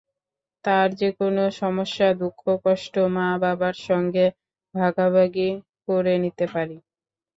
তার যেকোনো সমস্যা, দুঃখ, কষ্ট মা–বাবার সঙ্গে ভাগাভাগি করে নিতে পারে।